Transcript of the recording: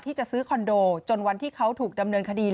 ที่จะซื้อคอนโดจนวันที่เขาถูกดำเนินคดี